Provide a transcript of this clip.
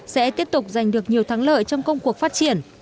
sẽ tiếp tục giành được nhiều thắng lợi trong công cuộc phát triển